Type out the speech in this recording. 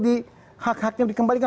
apa ya hak haknya yang mau dikembalikan